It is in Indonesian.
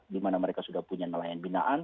dimana mereka sudah punya nelayan binaan